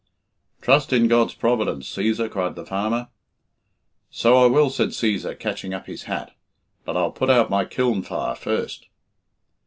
"Trust in God's providence, Cæsar," cried the farmer. "So I will," said Cæsar, catching up his hat, "but I'll put out my kiln fire first."